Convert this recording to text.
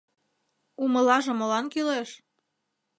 - Умылаже молан кӱлеш?